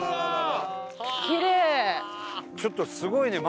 ちょっとすごいね！